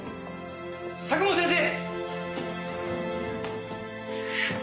佐久本先生！